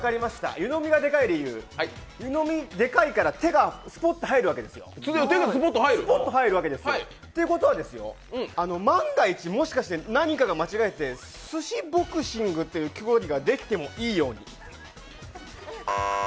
湯飲みがでかい理由湯飲み、でかいから手がスポッと入るわけですよ。ということはですよ、万が一、もしかして何かが間違えてすしボクシングという競技ができてもいいように。